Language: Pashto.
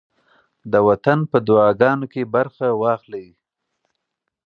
د وطن په دعاګانو کې برخه واخلئ.